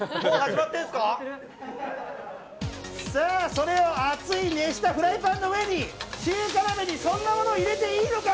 それを熱く熱したフライパンの上に中華鍋にそんなものを入れていいのか！